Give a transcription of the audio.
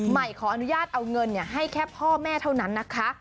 ใหม่ขออนุญาตเอาเงินให้แค่พ่อแม่เท่านั้นนะคะ